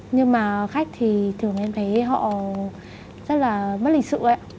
nhưng mà khách thì thường em thấy họ rất là bất lịch sự ấy